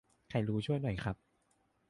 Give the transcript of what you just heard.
ใครรู้ช่วยหน่อยครับ